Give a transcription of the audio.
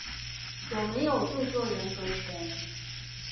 有沒有著作人格權？